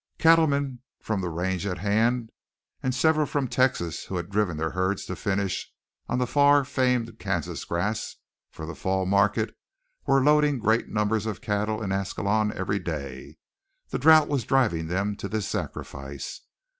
Cattlemen from the range at hand, and several from Texas who had driven their herds to finish on the far famed Kansas grass for the fall market, were loading great numbers of cattle in Ascalon every day. The drouth was driving them to this sacrifice.